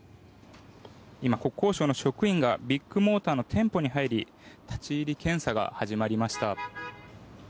今国交省の職員がビッグモーターの店舗に入り立ち入り検査が始まりました。